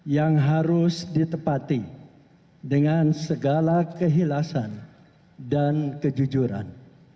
yang harus ditepati dengan segala kehilasan dan kejujuran